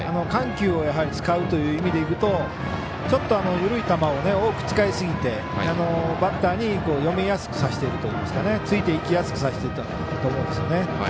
緩急を使うという意味でいくとちょっと緩い球を多く使いすぎてバッターに読みやすくさせているというかついていきやすくさせていたと思うんですよね。